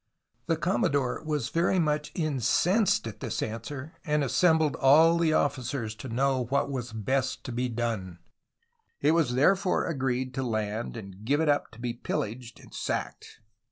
The Commodore was very much incensed at this ans]j^j|and assembled all the officers to know what was best to bofllBe ... It was 448 A HISTORY OF CALIFORNIA therefore agreed to land and give it up to be pillaged and sacked